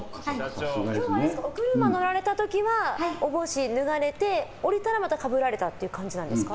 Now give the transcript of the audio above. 今日はお車に乗られた時はお帽子脱がれて降りたらまたかぶられたっていう感じなんですか？